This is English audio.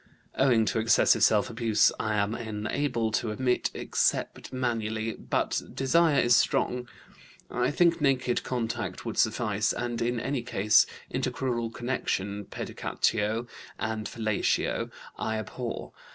"Owing to excessive self abuse, I am unable to emit except manually, but desire is strong. I think naked contact would suffice, and in any case intercrural connection. Pedicatio and fellatio I abhor.